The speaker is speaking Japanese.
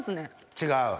違う？